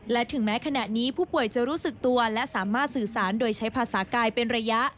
และถึงแม้ขณะนี้ผู้ป่วยจะรู้สึกตัวและสามารถสื่อสารโดยใช้ภาษากายเป็นระยะ